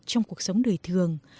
trong cuộc sống đời thường